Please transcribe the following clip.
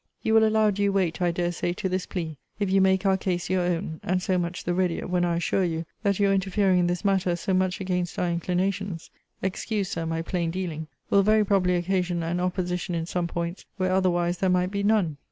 You will allow due weight, I dare say, to this plea, if you make our case your own; and so much the readier, when I assure you, that your interfering in this matter, so much against our inclinations, (excuse, Sir, my plain dealing,) will very probably occasion an opposition in some points, where otherwise there might be none.